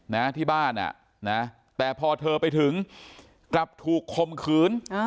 นะที่บ้านอ่ะนะแต่พอเธอไปถึงกลับถูกคมขืน